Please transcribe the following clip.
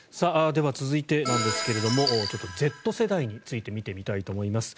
では続いてですがＺ世代について見てみたいと思います。